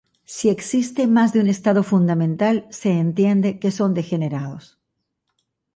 Si existe más de un estado fundamental, se entiende que son degenerados.